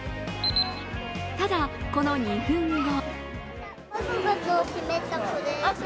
ただ、この２分後。